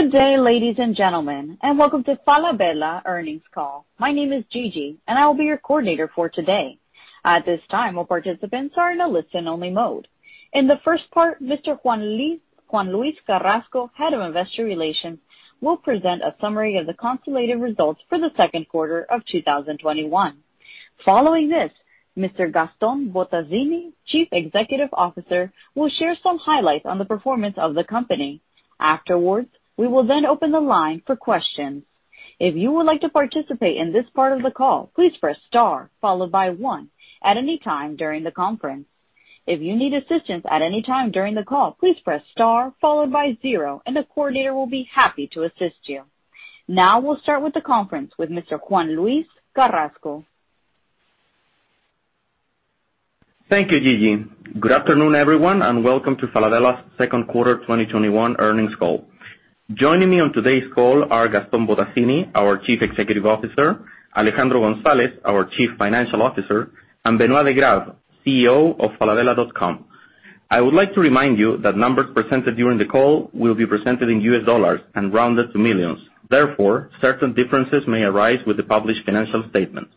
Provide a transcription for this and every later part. Good day, ladies and gentlemen, and welcome to Falabella Earnings Call. My name is Gigi, and I will be your coordinator for today. At this time, all participants are in a listen-only mode. In the first part, Mr. Juan Luis Carrasco, Head of Investor Relations, will present a summary of the consolidated results for the second quarter of 2021. Following this, Mr. Gastón Bottazzini, Chief Executive Officer, will share some highlights on the performance of the company. Afterwards, we will then open the line for questions. If you would like to participate in this part of the call, please press star followed by one at any time during the conference. If you need assistance at any time during the call, please press star followed by zero, and a coordinator will be happy to assist you. Now we'll start with the conference with Mr. Juan Luis Carrasco. Thank you, Gigi. Good afternoon, everyone, and welcome to Falabella's second quarter 2021 earnings call. Joining me on today's call are Gastón Bottazzini, our Chief Executive Officer, Alejandro González, our Chief Financial Officer, and Benoit de Grave, CEO of falabella.com. I would like to remind you that numbers presented during the call will be presented in US dollars and rounded to millions. Therefore, certain differences may arise with the published financial statements.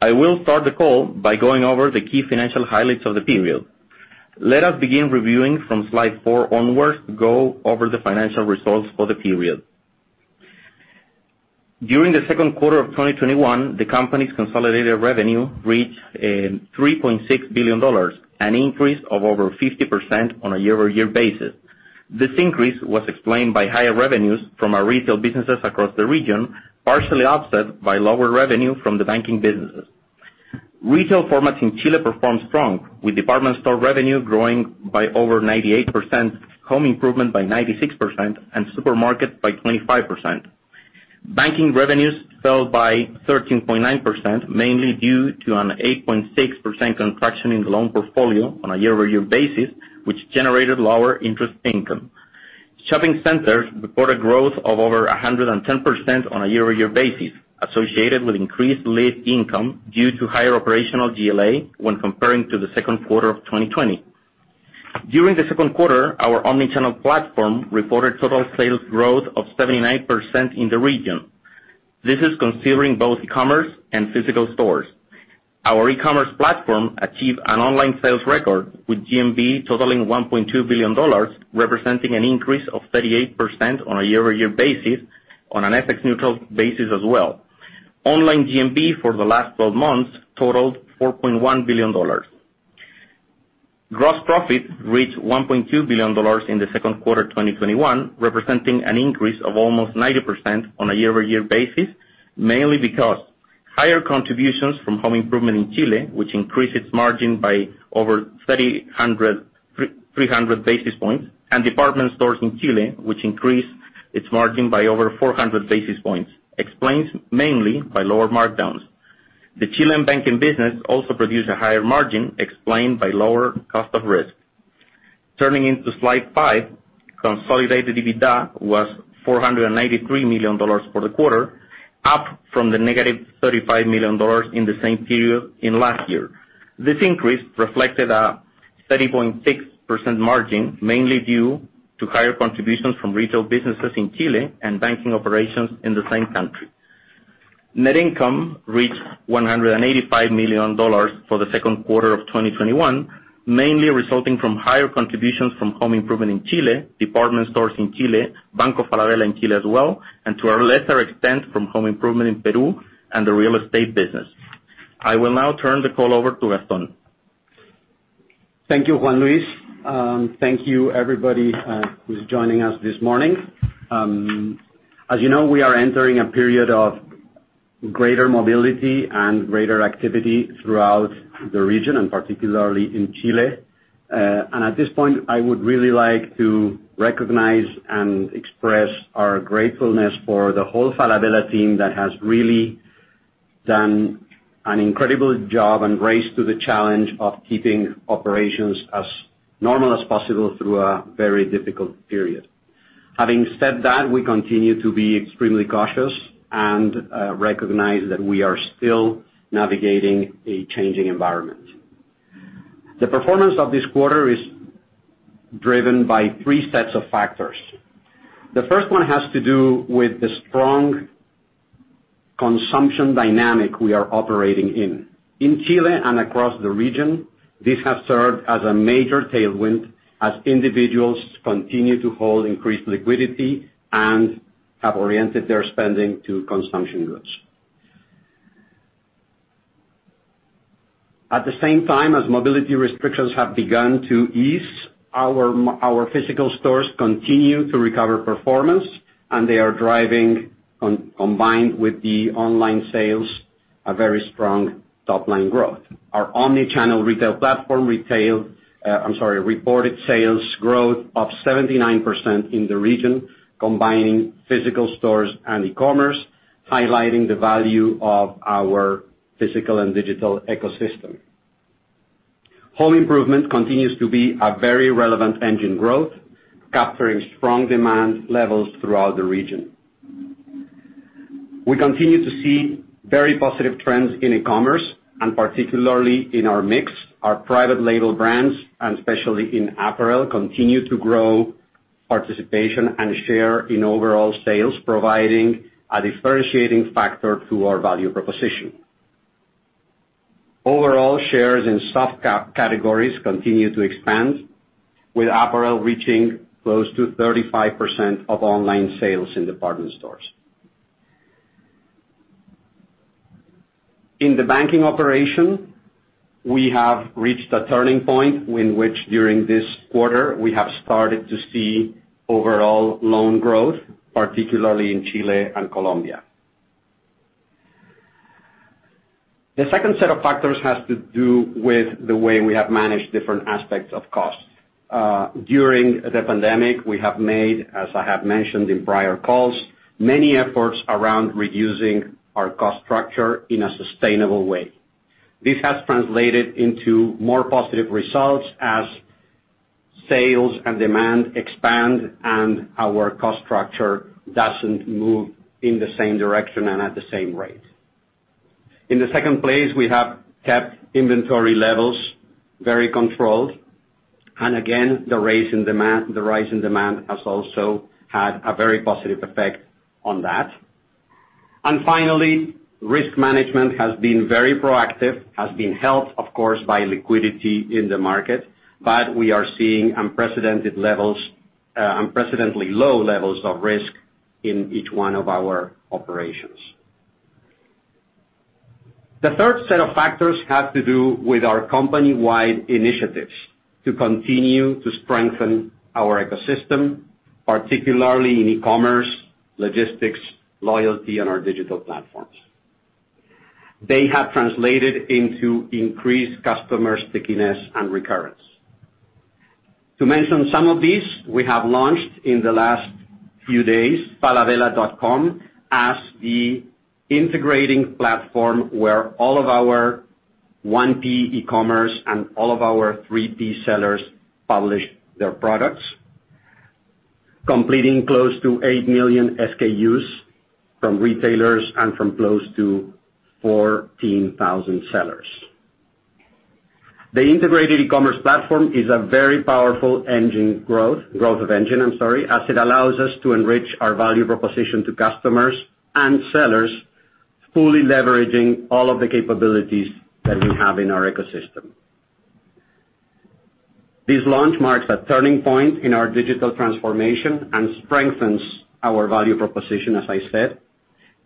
I will start the call by going over the key financial highlights of the period. Let us begin reviewing from slide four onwards to go over the financial results for the period. During the second quarter of 2021, the company's consolidated revenue reached $3.6 billion, an increase of over 50% on a year-over-year basis. This increase was explained by higher revenues from our retail businesses across the region, partially offset by lower revenue from the banking businesses. Retail formats in Chile performed strong, with department store revenue growing by over 98%, home improvement by 96%, and supermarket by 25%. Banking revenues fell by 13.9%, mainly due to an 8.6% contraction in the loan portfolio on a year-over-year basis, which generated lower interest income. Shopping centers reported growth of over 110% on a year-over-year basis, associated with increased lease income due to higher operational GLA when comparing to the second quarter of 2020. During the second quarter, our omni-channel platform reported total sales growth of 79% in the region. This is considering both e-commerce and physical stores. Our e-commerce platform achieved an online sales record, with GMV totaling $1.2 billion, representing an increase of 38% on a year-over-year basis, on an FX neutral basis as well. Online GMV for the last 12 months totaled $4.1 billion. Gross profit reached $1.2 billion in the second quarter 2021, representing an increase of almost 90% on a year-over-year basis, mainly because higher contributions from home improvement in Chile, which increased its margin by over 300 basis points, and department stores in Chile, which increased its margin by over 400 basis points, explains mainly by lower markdowns. The Chilean banking business also produced a higher margin, explained by lower cost of risk. Turning into slide five, consolidated EBITDA was $493 million for the quarter, up from the negative $35 million in the same period in last year. This increase reflected a 30.6% margin, mainly due to higher contributions from retail businesses in Chile and banking operations in the same country. Net income reached $185 million for the second quarter of 2021, mainly resulting from higher contributions from home improvement in Chile, department stores in Chile, Banco Falabella in Chile as well, and to a lesser extent, from home improvement in Peru and the real estate business. I will now turn the call over to Gastón. Thank you, Juan Luis. Thank you everybody, who's joining us this morning. As you know, we are entering a period of greater mobility and greater activity throughout the region, and particularly in Chile. At this point, I would really like to recognize and express our gratefulness for the whole Falabella team that has really done an incredible job and rose to the challenge of keeping operations as normal as possible through a very difficult period. Having said that, we continue to be extremely cautious and recognize that we are still navigating a changing environment. The performance of this quarter is driven by three sets of factors. The first one has to do with the strong consumption dynamic we are operating in. In Chile and across the region, this has served as a major tailwind as individuals continue to hold increased liquidity and have oriented their spending to consumption goods. At the same time as mobility restrictions have begun to ease, our physical stores continue to recover performance, and they are driving, combined with the online sales, a very strong top-line growth. Our omni-channel retail platform reported sales growth of 79% in the region, combining physical stores and e-commerce, highlighting the value of our physical and digital ecosystem. Home improvement continues to be a very relevant engine growth, capturing strong demand levels throughout the region. We continue to see very positive trends in e-commerce, and particularly in our mix. Our private label brands, and especially in apparel, continue to grow participation and share in overall sales, providing a differentiating factor to our value proposition. Overall, shares in soft categories continue to expand, with apparel reaching close to 35% of online sales in department stores. In the banking operation, we have reached a turning point in which, during this quarter, we have started to see overall loan growth, particularly in Chile and Colombia. The second set of factors has to do with the way we have managed different aspects of cost. During the pandemic, we have made, as I have mentioned in prior calls, many efforts around reducing our cost structure in a sustainable way. This has translated into more positive results as sales and demand expand and our cost structure doesn't move in the same direction and at the same rate. In the second place, we have kept inventory levels very controlled. Again, the rise in demand has also had a very positive effect on that. Finally, risk management has been very proactive, has been helped, of course, by liquidity in the market, but we are seeing unprecedented levels, unprecedentedly low levels of risk in each one of our operations. The third set of factors have to do with our company-wide initiatives to continue to strengthen our ecosystem, particularly in e-commerce, logistics, loyalty, and our digital platforms. They have translated into increased customer stickiness and recurrence. To mention some of these, we have launched in the last few days falabella.com as the integrating platform where all of our 1P e-commerce and all of our 3P sellers publish their products, completing close to 8 million SKUs from retailers and from close to 14,000 sellers. The integrated e-commerce platform is a very powerful growth engine, as it allows us to enrich our value proposition to customers and sellers, fully leveraging all of the capabilities that we have in our ecosystem. This launch marks a turning point in our digital transformation and strengthens our value proposition, as I said.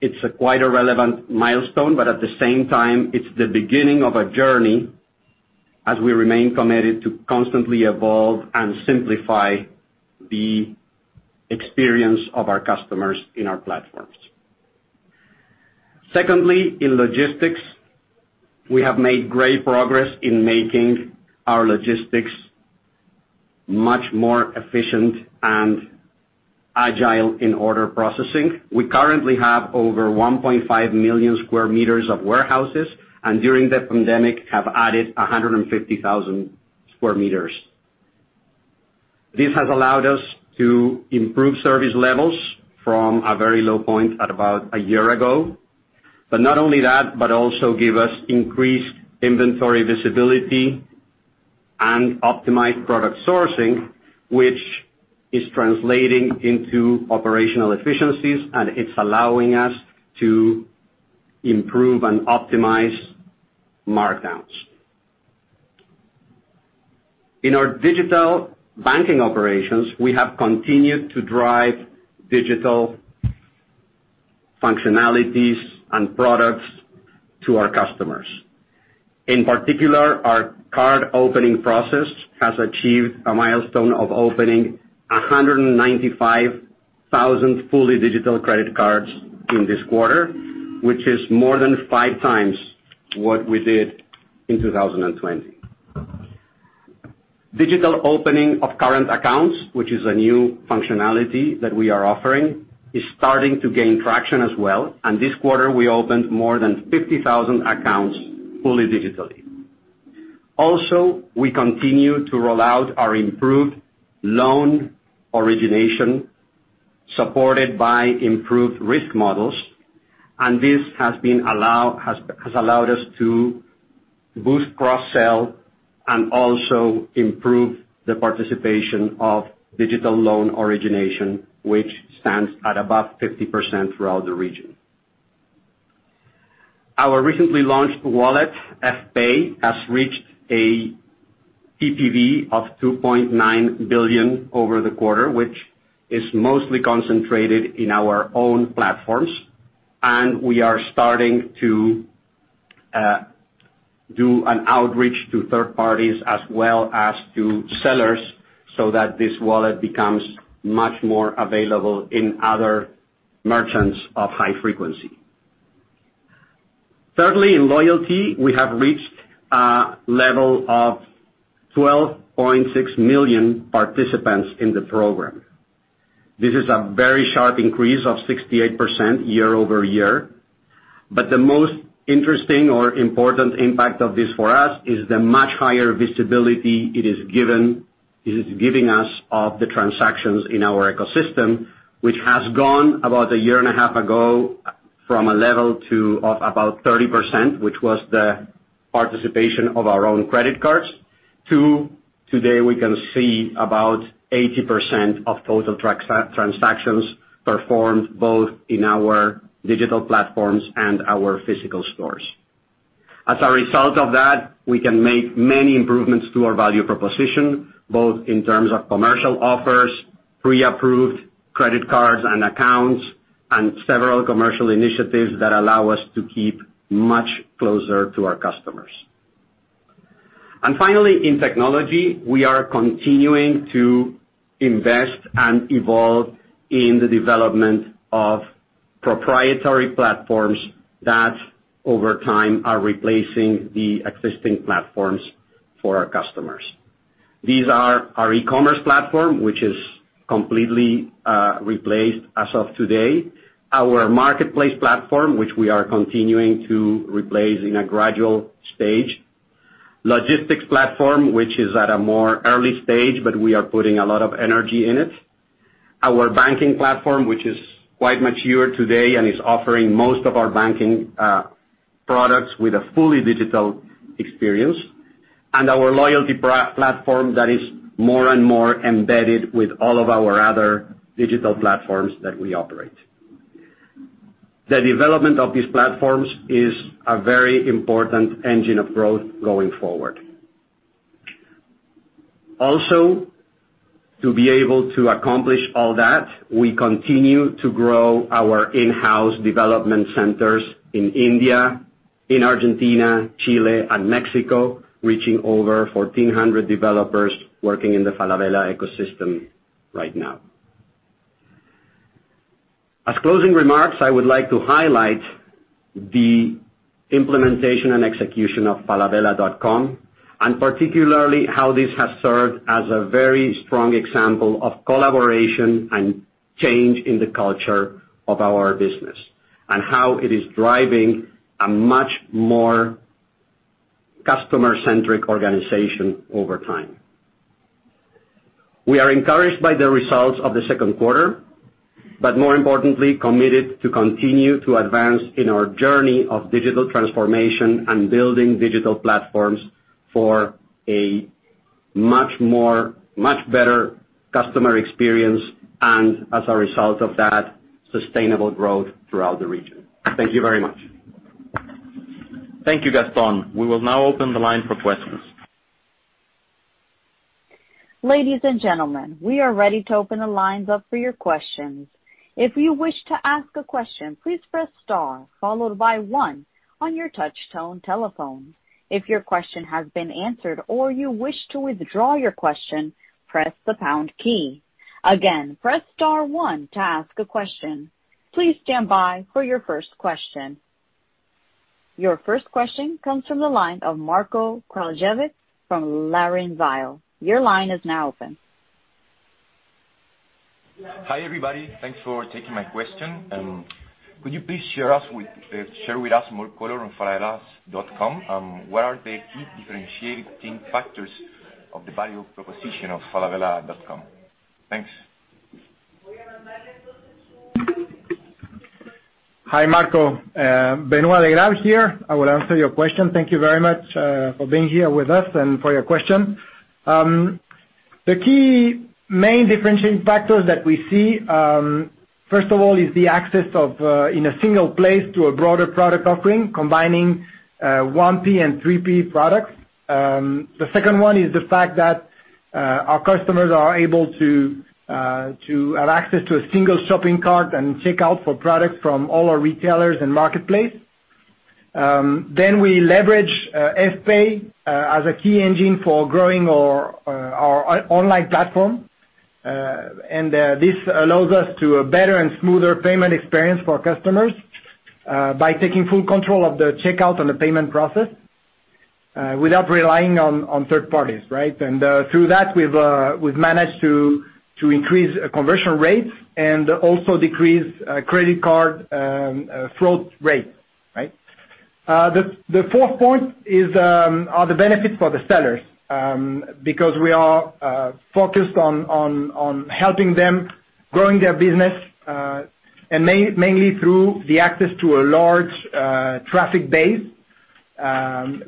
It's quite a relevant milestone, but at the same time, it's the beginning of a journey as we remain committed to constantly evolve and simplify the experience of our customers in our platforms. Secondly, in logistics, we have made great progress in making our logistics much more efficient and agile in order processing. We currently have over 1.5 million sq m of warehouses, and during the pandemic, have added 150,000 sq m. This has allowed us to improve service levels from a very low point at about one year ago. Not only that, but also give us increased inventory visibility and optimized product sourcing, which is translating into operational efficiencies, and it's allowing us to improve and optimize markdowns. In our digital banking operations, we have continued to drive digital functionalities and products to our customers. In particular, our card opening process has achieved a milestone of opening 195,000 fully digital credit cards in this quarter, which is more than five times what we did in 2020. Digital opening of current accounts, which is a new functionality that we are offering, is starting to gain traction as well. This quarter, we opened more than 50,000 accounts fully digitally. We continue to roll out our improved loan origination supported by improved risk models. This has allowed us to boost cross-sell and also improve the participation of digital loan origination, which stands at above 50% throughout the region. Our recently launched wallet, Fpay, has reached a TPV of 2.9 billion over the quarter, which is mostly concentrated in our own platforms, and we are starting to do an outreach to third parties as well as to sellers so that this wallet becomes much more available in other merchants of high frequency. Thirdly, in loyalty, we have reached a level of 12.6 million participants in the program. This is a very sharp increase of 68% year over year. The most interesting or important impact of this for us is the much higher visibility it is giving us of the transactions in our ecosystem, which has gone about a year and a half ago from a level to about 30%, which was the participation of our own credit cards, to today, we can see about 80% of total transactions performed both in our digital platforms and our physical stores. As a result of that, we can make many improvements to our value proposition, both in terms of commercial offers, pre-approved credit cards and accounts, and several commercial initiatives that allow us to keep much closer to our customers. Finally, in technology, we are continuing to invest and evolve in the development of proprietary platforms that, over time, are replacing the existing platforms for our customers. These are our e-commerce platform, which is completely replaced as of today. Our marketplace platform, which we are continuing to replace in a gradual stage. Logistics platform, which is at a more early stage, but we are putting a lot of energy in it. Our banking platform, which is quite mature today and is offering most of our banking products with a fully digital experience. Our loyalty platform that is more and more embedded with all of our other digital platforms that we operate. The development of these platforms is a very important engine of growth going forward. To be able to accomplish all that, we continue to grow our in-house development centers in India, Argentina, Chile, and Mexico, reaching over 1,400 developers working in the Falabella ecosystem right now. As closing remarks, I would like to highlight the implementation and execution of falabella.com, and particularly how this has served as a very strong example of collaboration and change in the culture of our business, and how it is driving a much more customer-centric organization over time. We are encouraged by the results of the second quarter. More importantly, committed to continue to advance in our journey of digital transformation and building digital platforms for a much better customer experience. As a result of that, sustainable growth throughout the region. Thank you very much. Thank you, Gaston. We will now open the line for questions. Ladies and gentlemen, we are ready to open the lines up for your questions. If you wish to ask a question, please press star, followed by one on your touch tone telephone. If your question has been answered or you wish to withdraw your question, press the pound key. Again, press star one to ask a question. Please stand by for your first question. Your first question comes from the line of Marko Kraljevic from LarrainVial. Your line is now open. Hi, everybody. Thanks for taking my question. Could you please share with us more color on falabella.com? What are the key differentiating factors of the value proposition of falabella.com? Thanks. Hi, Marko. Benoit de Grave here. I will answer your question. Thank you very much for being here with us and for your question. The key main differentiating factor that we see, first of all, is the access in a single place to a broader product offering, combining 1P and 3P products. The second one is the fact that our customers are able to have access to a single shopping cart and check out for products from all our retailers in marketplace. We leverage Fpay as a key engine for growing our online platform. This allows us to a better and smoother payment experience for customers by taking full control of the checkout and the payment process without relying on third parties, right? Through that, we've managed to increase conversion rates and also decrease credit card fraud rate, right? The fourth point are the benefits for the sellers, because we are focused on helping them growing their business, mainly through the access to a large traffic base,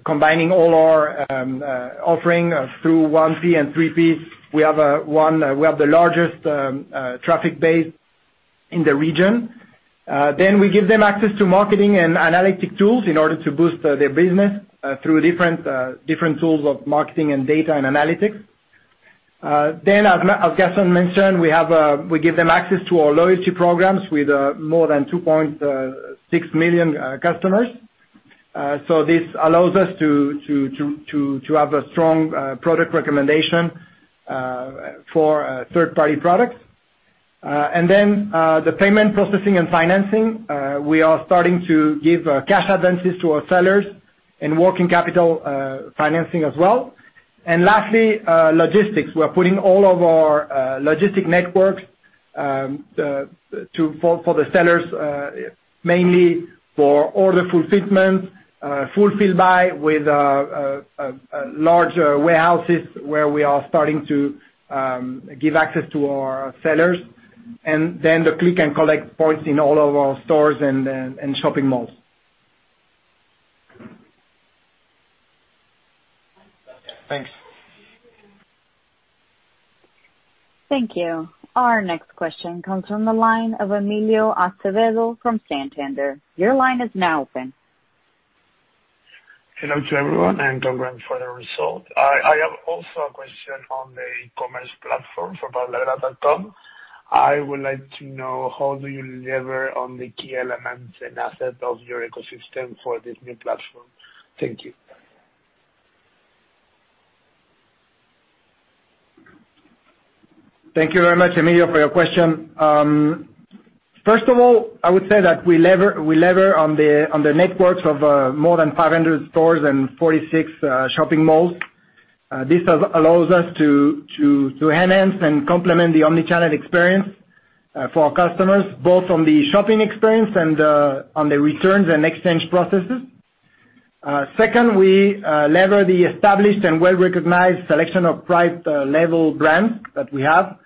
combining all our offering through 1P and 3P. We have the largest traffic base in the region. We give them access to marketing and analytic tools in order to boost their business through different tools of marketing and data and analytics. As Gastón mentioned, we give them access to our loyalty programs with more than 2.6 million customers. This allows us to have a strong product recommendation for third-party products. The payment processing and financing, we are starting to give cash advances to our sellers and working capital financing as well. Lastly, logistics. We're putting all of our logistic networks for the sellers, mainly for order fulfillment, with larger warehouses where we are starting to give access to our sellers, then the click and collect points in all of our stores and shopping malls. Thanks. Thank you. Our next question comes from the line of Emilio Acevedo from Santander. Your line is now open. Hello to everyone, and congrats for the result. I have also a question on the e-commerce platform for falabella.com. I would like to know how do you lever on the key elements and assets of your ecosystem for this new platform. Thank you. Thank you very much, Emilio, for your question. First of all, I would say that we lever on the networks of more than 500 stores and 46 shopping malls. This allows us to enhance and complement the omni-channel experience for our customers, both on the shopping experience and on the returns and exchange processes. Second, we lever the established and well-recognized selection of private level brands that we have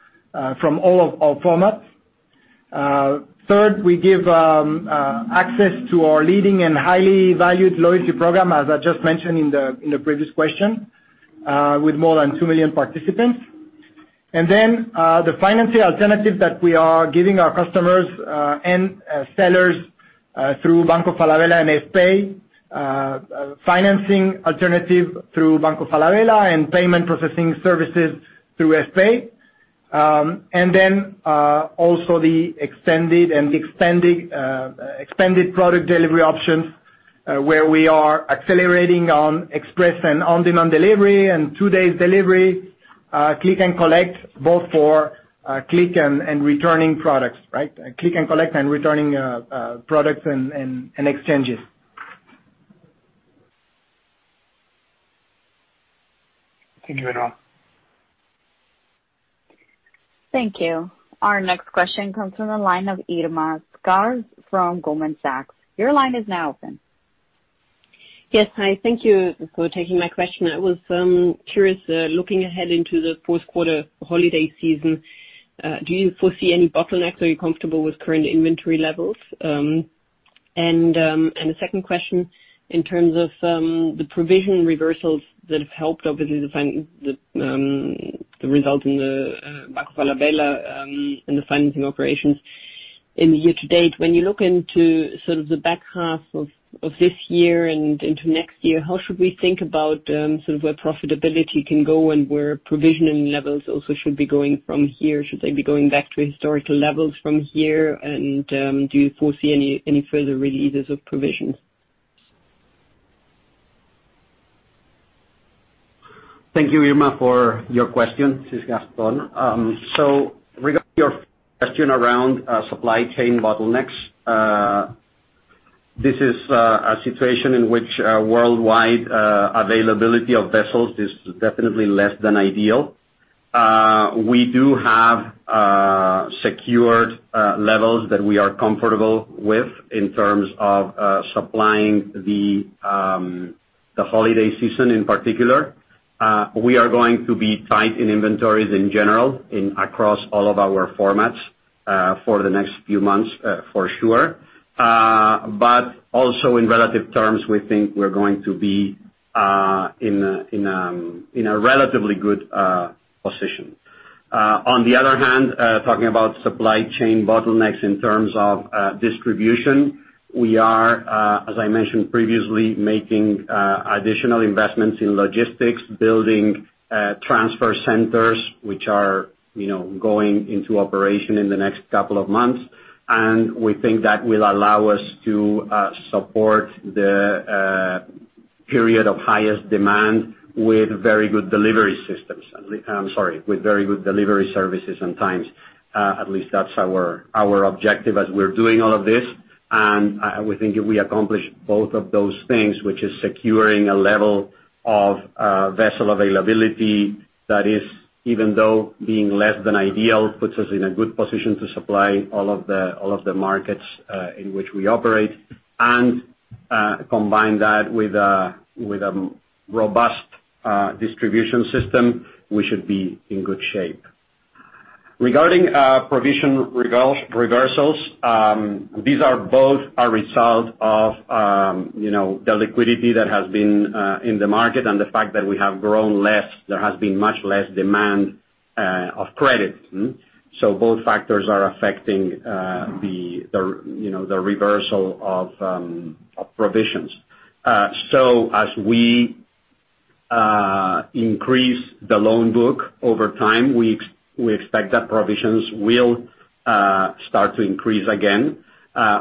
from all of our formats. Third, we give access to our leading and highly valued loyalty program, as I just mentioned in the previous question, with more than 2 million participants. The financing alternative that we are giving our customers and sellers through Banco Falabella and Fpay, and payment processing services through Fpay. Also the extended product delivery options, where we are accelerating on express and on-demand delivery and two-day delivery, click and collect, returning products, and exchanges. Thank you very much. Thank you. Our next question comes from the line of Irma Sgarz from Goldman Sachs. Yes, hi. Thank you for taking my question. I was curious, looking ahead into the fourth quarter holiday season, do you foresee any bottlenecks? Are you comfortable with current inventory levels? The second question, in terms of the provision reversals that have helped, obviously, the result in the Banco Falabella and the financing operations in the year to date. When you look into the back half of this year and into next year, how should we think about where profitability can go and where provisioning levels also should be going from here? Should they be going back to historical levels from here? Do you foresee any further releases of provisions? Thank you, Irma, for your question. This is Gastón. Regarding your question around supply chain bottlenecks, this is a situation in which worldwide availability of vessels is definitely less than ideal. We do have secured levels that we are comfortable with in terms of supplying the holiday season in particular. We are going to be tight in inventories in general, across all of our formats for the next few months, for sure. Also in relative terms, we think we're going to be in a relatively good position. On the other hand, talking about supply chain bottlenecks in terms of distribution, we are, as I mentioned previously, making additional investments in logistics, building transfer centers, which are going into operation in the next couple of months. We think that will allow us to support the period of highest demand with very good delivery systems. I'm sorry, with very good delivery services and times. At least that's our objective as we're doing all of this. We think if we accomplish both of those things, which is securing a level of vessel availability that is, even though being less than ideal, puts us in a good position to supply all of the markets in which we operate. Combine that with a robust distribution system, we should be in good shape. Regarding provision reversals, these are both a result of the liquidity that has been in the market and the fact that we have grown less, there has been much less demand of credit. Both factors are affecting the reversal of provisions. As we increase the loan book over time, we expect that provisions will start to increase again.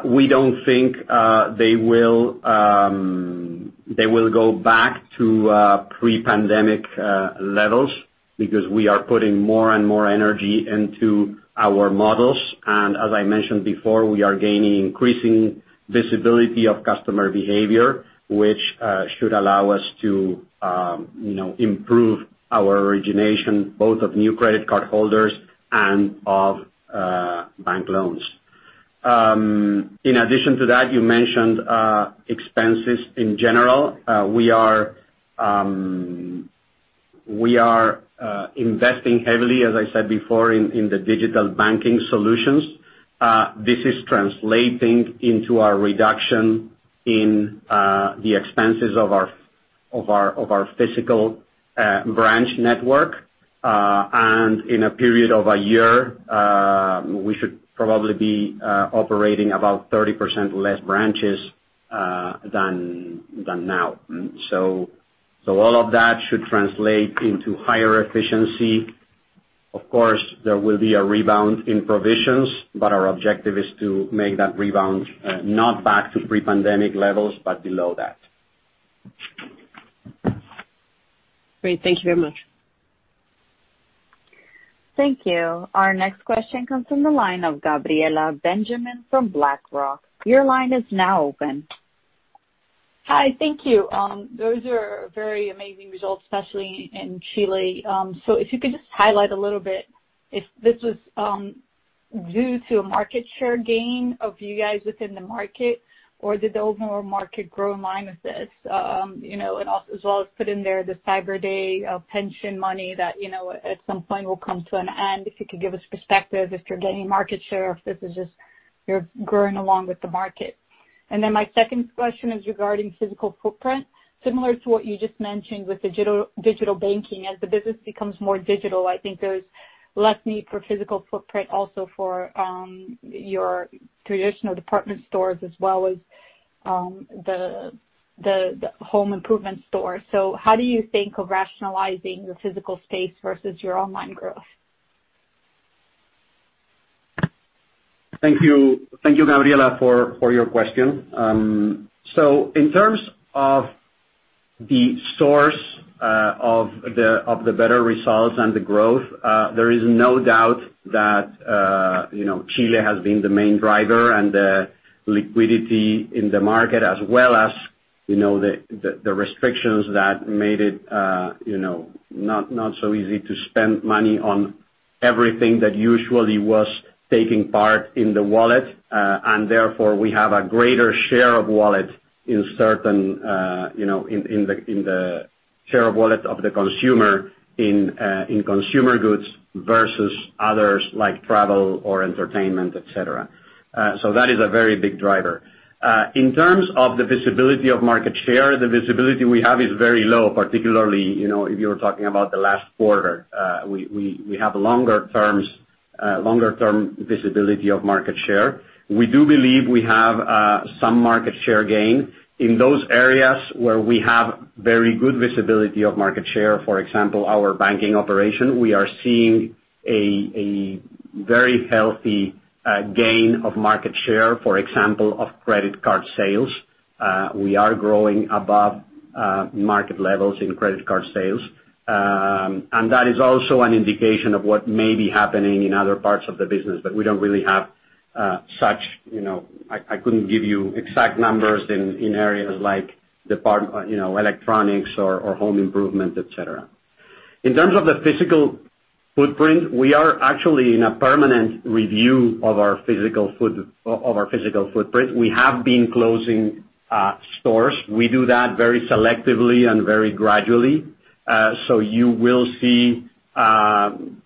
We don't think they will go back to pre-pandemic levels because we are putting more and more energy into our models. As I mentioned before, we are gaining increasing visibility of customer behavior, which should allow us to improve our origination, both of new credit card holders and of bank loans. In addition to that, you mentioned expenses in general. We are investing heavily, as I said before, in the digital banking solutions. This is translating into a reduction in the expenses of our physical branch network. In a period of a year, we should probably be operating about 30% less branches than now. All of that should translate into higher efficiency. Of course, there will be a rebound in provisions, but our objective is to make that rebound not back to pre-pandemic levels, but below that. Great. Thank you very much. Thank you. Our next question comes from the line of Gabriela Benjamin from BlackRock. Your line is now open. Hi. Thank you. Those are very amazing results, especially in Chile. If you could just highlight a little bit if this was due to a market share gain of you guys within the market or did the overall market grow in line with this? Put in there the Cyber Day pension money that at some point will come to an end. If you could give us perspective, if you're gaining market share or if this is just you're growing along with the market. My second question is regarding physical footprint. Similar to what you just mentioned with digital banking, as the business becomes more digital, I think there's less need for physical footprint also for your traditional department stores as well as the home improvement store. How do you think of rationalizing your physical space versus your online growth? Thank you, Gabriela, for your question. In terms of the source of the better results and the growth, there is no doubt that Chile has been the main driver and the liquidity in the market as well as the restrictions that made it not so easy to spend money on everything that usually was taking part in the wallet. Therefore, we have a greater share of wallet in the share of wallet of the consumer in consumer goods versus others like travel or entertainment, et cetera. That is a very big driver. In terms of the visibility of market share, the visibility we have is very low, particularly, if you were talking about the last quarter. We have longer term visibility of market share. We do believe we have some market share gain. In those areas where we have very good visibility of market share, for example, our banking operation, we are seeing a very healthy gain of market share, for example, of credit card sales. We are growing above market levels in credit card sales. That is also an indication of what may be happening in other parts of the business, but we don't really have such exact numbers in areas like electronics or home improvement, et cetera. In terms of the physical footprint, we are actually in a permanent review of our physical footprint. We have been closing stores. We do that very selectively and very gradually. You will see in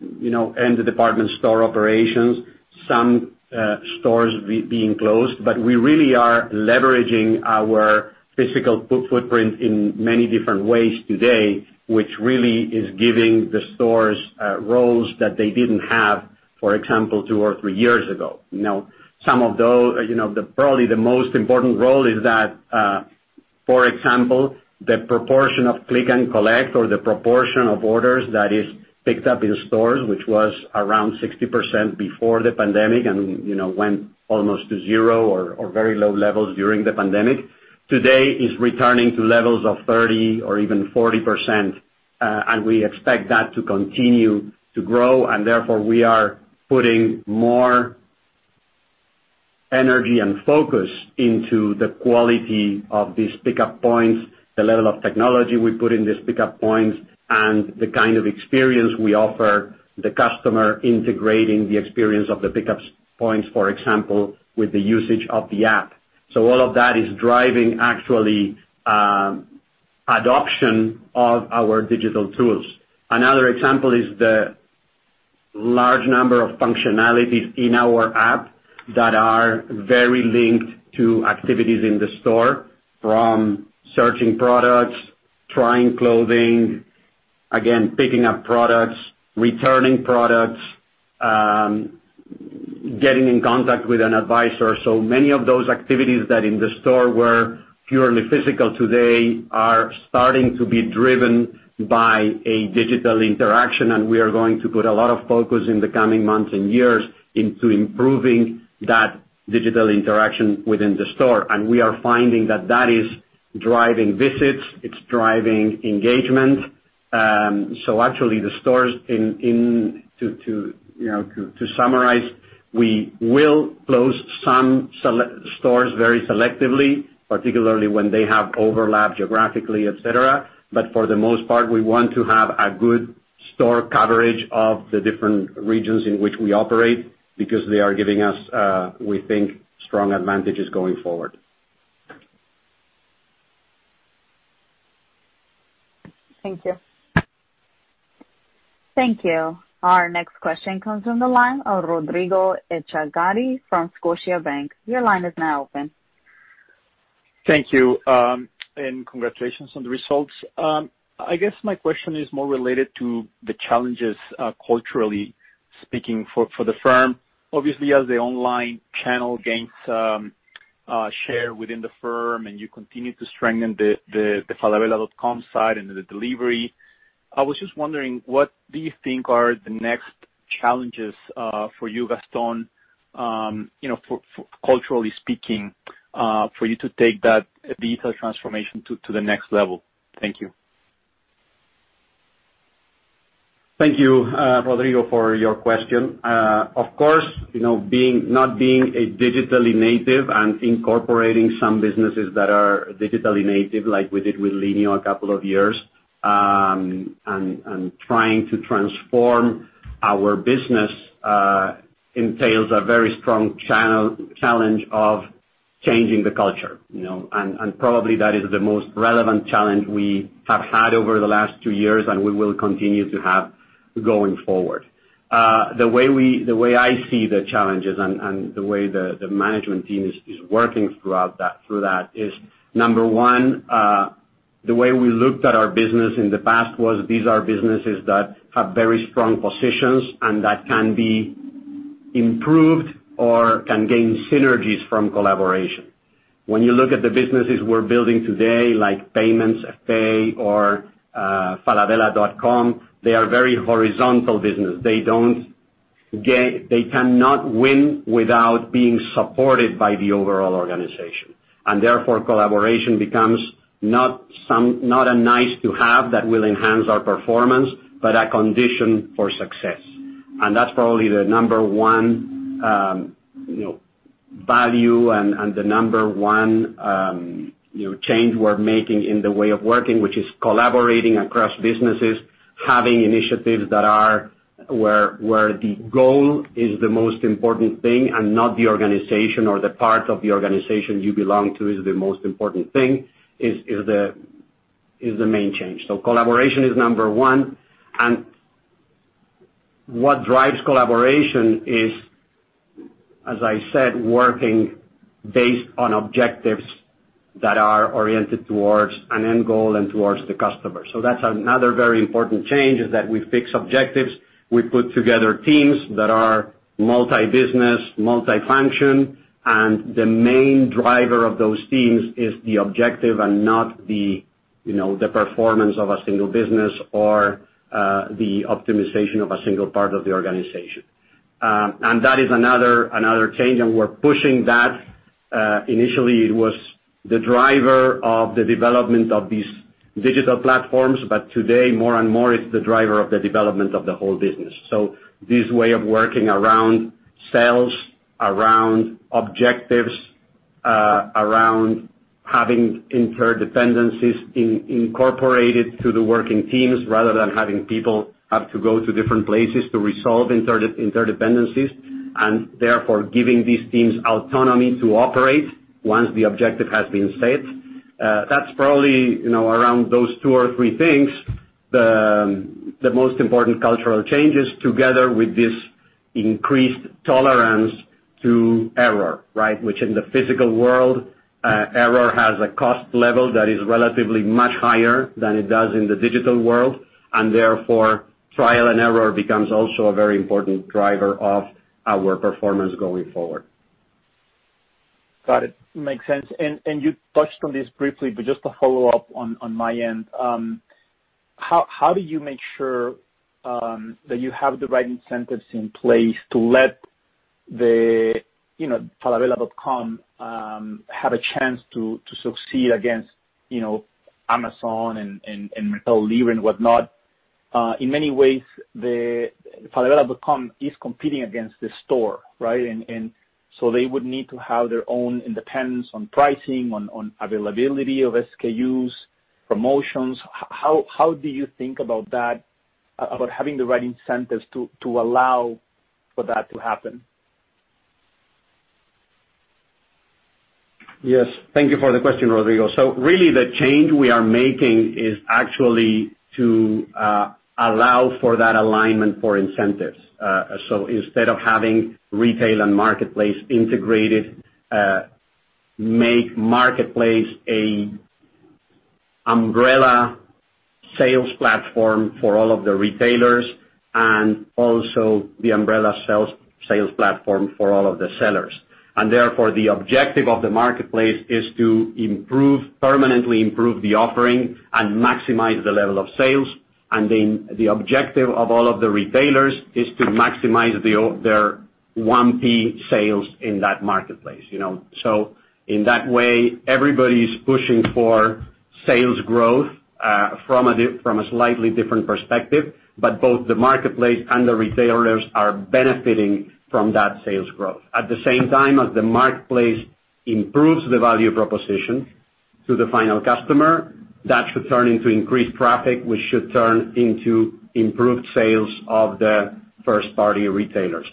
the department store operations, some stores being closed. We really are leveraging our physical footprint in many different ways today, which really is giving the stores roles that they didn't have, for example, two or three years ago. Probably the most important role is that, for example, the proportion of click and collect or the proportion of orders that is picked up in stores, which was around 60% before the pandemic and went almost to zero or very low levels during the pandemic, today is returning to levels of 30% or even 40%, and we expect that to continue to grow, and therefore, we are putting more energy and focus into the quality of these pickup points, the level of technology we put in these pickup points, and the kind of experience we offer the customer integrating the experience of the pickup points, for example, with the usage of the app. All of that is driving actually adoption of our digital tools. Another example is the large number of functionalities in our app that are very linked to activities in the store, from searching products, trying clothing, again, picking up products, returning products, getting in contact with an advisor. Many of those activities that in the store were purely physical today are starting to be driven by a digital interaction, and we are going to put a lot of focus in the coming months and years into improving that digital interaction within the store. We are finding that that is driving visits, it's driving engagement. Actually, the stores, to summarize, we will close some stores very selectively, particularly when they have overlap geographically, et cetera. For the most part, we want to have a good store coverage of the different regions in which we operate, because they are giving us, we think, strong advantages going forward. Thank you. Thank you. Our next question comes from the line of Rodrigo Echagaray from Scotiabank. Your line is now open. Thank you, and congratulations on the results. I guess my question is more related to the challenges, culturally speaking, for the firm. Obviously, as the online channel gains share within the firm, and you continue to strengthen the falabella.com side and the delivery, I was just wondering, what do you think are the next challenges for you, Gastón, culturally speaking, for you to take that digital transformation to the next level? Thank you. Thank you, Rodrigo, for your question. Of course, not being a digitally native and incorporating some businesses that are digitally native, like we did with Linio a couple of years, and trying to transform our business, entails a very strong challenge of changing the culture. Probably that is the most relevant challenge we have had over the last two years, and we will continue to have going forward. The way I see the challenges and the way the management team is working through that is, number one, the way we looked at our business in the past was, these are businesses that have very strong positions and that can be improved or can gain synergies from collaboration. When you look at the businesses we're building today, like payments, Fpay, or falabella.com, they are very horizontal business. They cannot win without being supported by the overall organization. Therefore, collaboration becomes not a nice-to-have that will enhance our performance, but a condition for success. That's probably the number one value and the number one change we're making in the way of working, which is collaborating across businesses, having initiatives where the goal is the most important thing and not the organization or the part of the organization you belong to is the most important thing, is the main change. Collaboration is number 1, and what drives collaboration is, as I said, working based on objectives that are oriented towards an end goal and towards the customer. That's another very important change is that we fix objectives. We put together teams that are multi-business, multi-function, and the main driver of those teams is the objective and not the performance of a single business or the optimization of a single part of the organization. That is another change, and we're pushing that. Initially, it was the driver of the development of these digital platforms, but today more and more it's the driver of the development of the whole business. This way of working around sales, around objectives, around having interdependencies incorporated to the working teams, rather than having people have to go to different places to resolve interdependencies, and therefore giving these teams autonomy to operate once the objective has been set. That's probably, around those two or three things, the most important cultural changes, together with this increased tolerance to error, right? Which in the physical world, error has a cost level that is relatively much higher than it does in the digital world, and therefore trial and error becomes also a very important driver of our performance going forward. Got it. Makes sense. You touched on this briefly, but just to follow up on my end. How do you make sure that you have the right incentives in place to let the falabella.com have a chance to succeed against Amazon and Mercado Libre and whatnot? In many ways, the Falabella.com is competing against the store, right? They would need to have their own independence on pricing, on availability of SKUs, promotions. How do you think about having the right incentives to allow for that to happen? Yes. Thank you for the question, Rodrigo. Really the change we are making is actually to allow for that alignment for incentives. Instead of having retail and marketplace integrated, make marketplace an umbrella sales platform for all of the retailers and also the umbrella sales platform for all of the sellers. Therefore, the objective of the marketplace is to permanently improve the offering and maximize the level of sales. The objective of all of the retailers is to maximize their 1P sales in that marketplace. In that way, everybody's pushing for sales growth, from a slightly different perspective, but both the marketplace and the retailers are benefiting from that sales growth. At the same time as the marketplace improves the value proposition to the final customer, that should turn into increased traffic, which should turn into improved sales of the first-party retailers.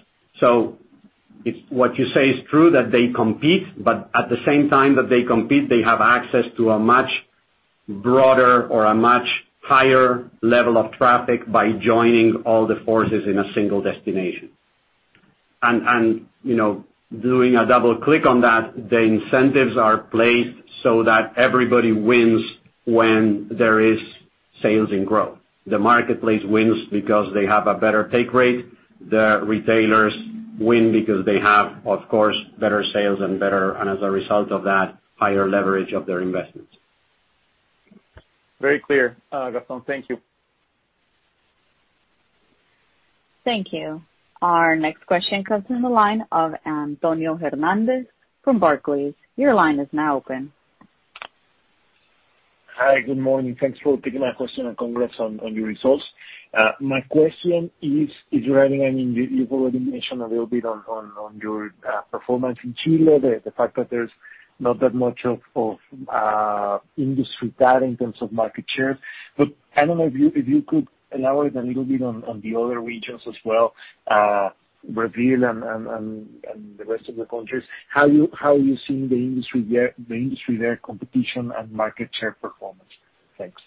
What you say is true, that they compete, but at the same time that they compete, they have access to a much broader or a much higher level of traffic by joining all the forces in a single destination. Doing a double-click on that, the incentives are placed so that everybody wins when there is sales and growth. The marketplace wins because they have a better take rate. The retailers win because they have, of course, better sales and, as a result of that, higher leverage of their investments. Very clear, Gastón. Thank you. Thank you. Our next question comes from the line of Antonio Hernández from Barclays. Hi. Good morning. Thanks for taking my question, and congrats on your results. My question is, you've already mentioned a little bit on your performance in Chile, the fact that there's not that much of industry there in terms of market share. I don't know if you could elaborate a little bit on the other regions as well, Brazil and the rest of the countries, how you see the industry there, competition, and market share performance? Thanks.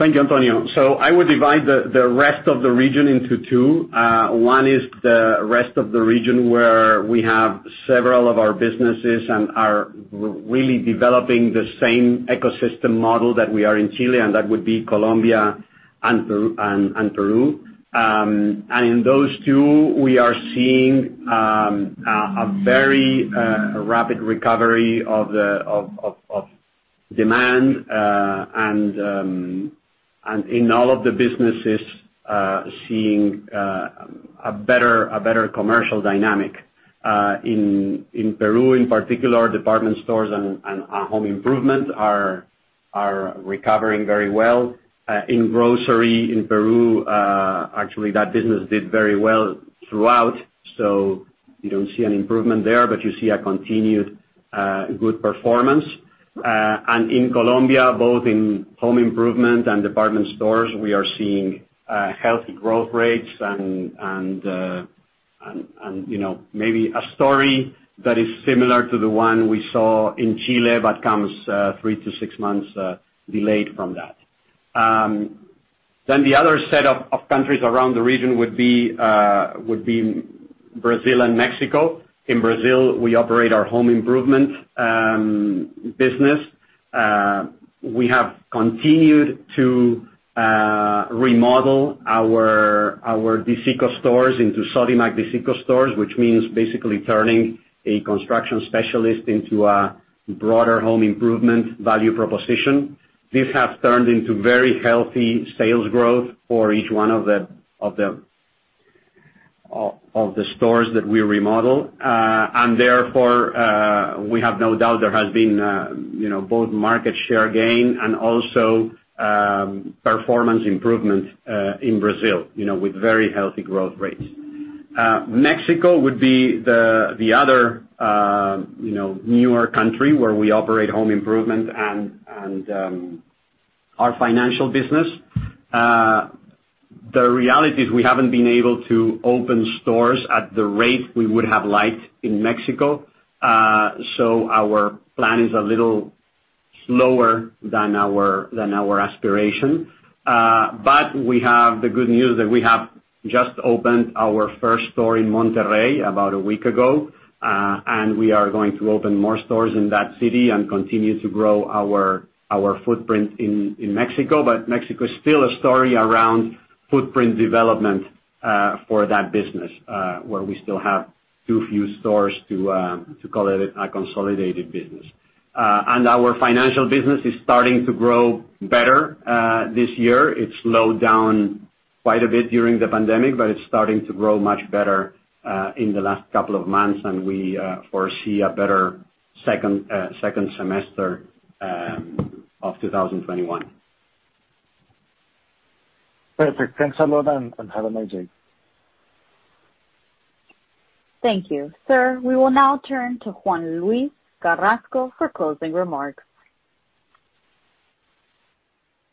Thank you, Antonio. I would divide the rest of the region into two. One is the rest of the region where we have several of our businesses and are really developing the same ecosystem model that we are in Chile, and that would be Colombia and Peru. In those two, we are seeing a very rapid recovery of demand and, in all of the businesses, seeing a better commercial dynamic. In Peru, in particular, department stores and home improvement are recovering very well. In grocery in Peru, actually, that business did very well throughout, so you don't see an improvement there, but you see a continued good performance. In Colombia, both in home improvement and department stores, we are seeing healthy growth rates and maybe a story that is similar to the one we saw in Chile, but comes three to six months delayed from that. The other set of countries around the region would be Brazil and Mexico. In Brazil, we operate our home improvement business. We have continued to remodel our Dicico stores into Sodimac Dicico stores, which means basically turning a construction specialist into a broader home improvement value proposition. This has turned into very healthy sales growth for each one of the stores that we remodel. Therefore, we have no doubt there has been both market share gain and also performance improvements in Brazil with very healthy growth rates. Mexico would be the other newer country where we operate home improvement and our financial business. The reality is we haven't been able to open stores at the rate we would have liked in Mexico. Our plan is a little slower than our aspiration. We have the good news that we have just opened our first store in Monterrey about a week ago. We are going to open more stores in that city and continue to grow our footprint in Mexico. Mexico is still a story around footprint development for that business, where we still have too few stores to call it a consolidated business. Our financial business is starting to grow better this year. It slowed down quite a bit during the pandemic, but it's starting to grow much better in the last couple of months, and we foresee a better second semester of 2021. Perfect. Thanks a lot, and have a nice day. Thank you. Sir, we will now turn to Juan Luis Carrasco for closing remarks.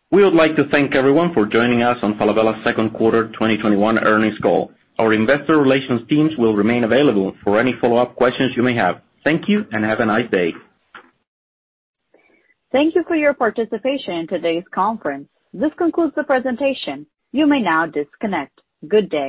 We would like to thank everyone for joining us on Falabella's second quarter 2021 earnings call. Our investor relations teams will remain available for any follow-up questions you may have. Thank you. Have a nice day. Thank you for your participation in today's conference. This concludes the presentation. You may now disconnect. Good day.